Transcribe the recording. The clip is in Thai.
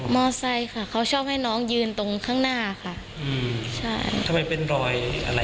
ไซค์ค่ะเขาชอบให้น้องยืนตรงข้างหน้าค่ะอืมใช่ทำไมเป็นรอยอะไร